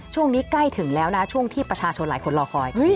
ช่วงนี้ใกล้ถึงแล้วนะช่วงที่ประชาชนหลายคนรอคอย